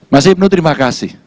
mas ibnu terima kasih